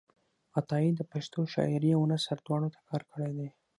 عطایي د پښتو شاعرۍ او نثر دواړو ته کار کړی دی.